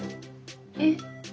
えっ！